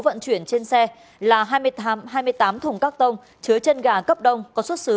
vận chuyển trên xe là hai mươi tám thùng các tông chứa chân gà cấp đông có xuất xứ